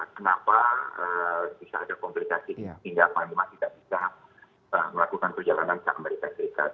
kenapa bisa ada komplikasi sehingga panglima tidak bisa melakukan perjalanan ke amerika serikat